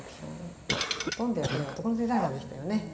ほとんどやっぱり男のデザイナーでしたよね。